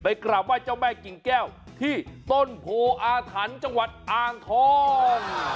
ไปกลับว่าเจ้าแม่กิ่งแก้วที่ต้นโผอาถรรย์จังหวัดอ่านท่อน